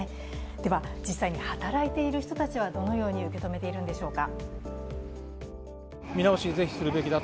では、実際に働いている人たちはどのように受け止めているのでしょうか。